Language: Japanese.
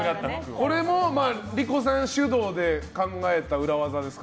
これも理子さん主導で考えた裏技ですか？